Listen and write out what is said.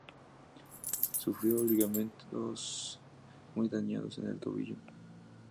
Sufrió ligamentos muy dañados en el tobillo.